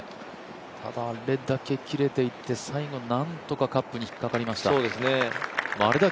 ただあれだけ切れていて、最後、なんとかカップに引っかかりました。